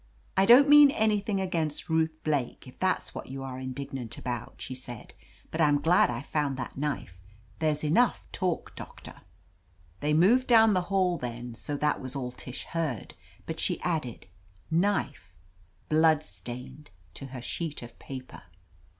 "I don't mean anything against Ruth Blake, if that's what you are indignant about," she said. "But I'm glad I found that knife. There's enough talk. Doctor." They moved down the hall then, so that was all Tish heard. But she added, "Knife, blood stained," to her sheet of paper.